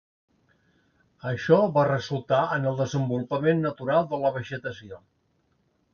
Això va resultar en el desenvolupament natural de la vegetació.